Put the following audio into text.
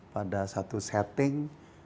pada satu setting